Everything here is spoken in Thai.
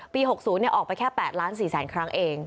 ๖๐ออกไปแค่๘ล้าน๔แสนครั้งเอง